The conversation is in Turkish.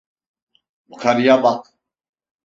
Yukarıya bak.